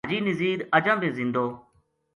حاجی نزیر اجاں بے زندو